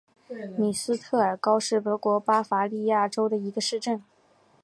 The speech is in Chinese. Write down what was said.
米斯特尔高是德国巴伐利亚州的一个市镇。